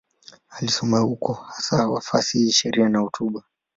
Alisomea huko, hasa fasihi, sheria na hotuba.